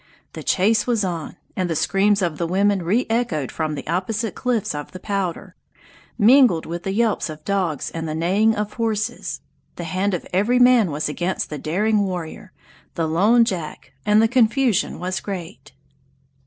The chase was on, and the screams of the women reechoed from the opposite cliffs of the Powder, mingled with the yelps of dogs and the neighing of horses. The hand of every man was against the daring warrior, the lone Jack, and the confusion was great.